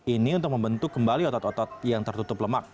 ini untuk membentuk kembali otot otot yang tertutup lemak